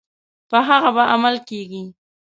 په هغه به عمل کیږي.